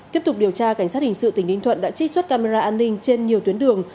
tiếp tục điều tra cảnh sát hình sự tỉnh ninh thuận đã trích xuất camera an ninh trên nhiều tuyến đường